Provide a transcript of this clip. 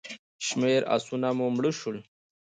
شمېر آسونه مو مړه شول.